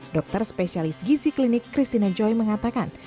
dokter spesialis gizi klinik christina joy mengatakan